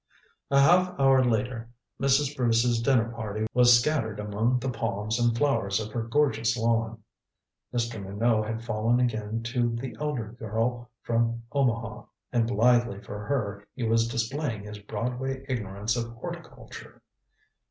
A half hour later Mrs. Bruce's dinner party was scattered among the palms and flowers of her gorgeous lawn. Mr. Minot had fallen again to the elder girl from Omaha, and blithely for her he was displaying his Broadway ignorance of horticulture.